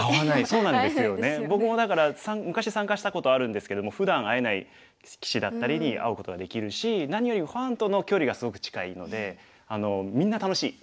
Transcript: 昔参加したことあるんですけれどもふだん会えない棋士だったりに会うことができるし何よりもファンとの距離がすごく近いのでみんな楽しい！